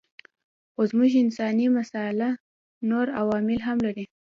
خو زموږ انساني مساله نور عوامل هم لري.